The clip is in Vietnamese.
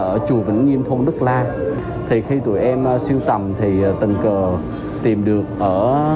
ở chùa vĩnh nghiêm thôn đức la thì khi tụi em siêu tầm thì tình cờ tìm được ở